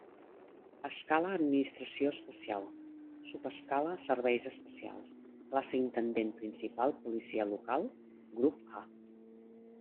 Escala administració especial, subescala serveis especials, classe intendent principal policia local, grup A.